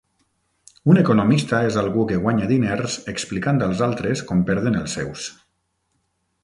Un economista és algú que guanya diners explicant als altres com perden els seus.